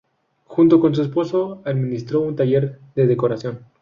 Junto con su esposo administró un taller de decoración.